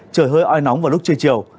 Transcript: trời hơi oai nóng vào lúc trưa chiều